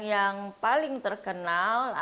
dan yang paling terkenal lah itu yang terkandung